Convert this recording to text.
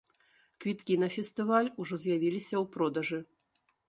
Квіткі на фестываль ужо з'явіліся ў продажы.